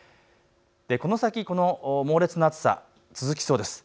この先、猛烈な暑さ続きそうです。